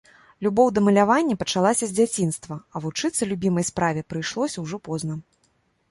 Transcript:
Любоў да малявання пачалася з дзяцінства, а вучыцца любімай справе прыйшлося ўжо позна.